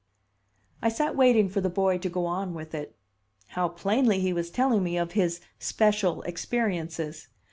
I sat waiting for the boy to go on with it. How plainly he was telling me of his "special experiences"!